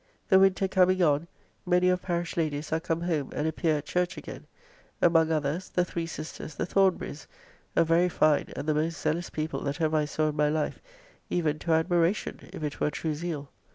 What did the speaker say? The winter coming on, many of parish ladies are come home and appear at church again; among others, the three sisters the Thornbury's, a very fine, and the most zealous people that ever I saw in my life, even to admiration, if it were true zeal.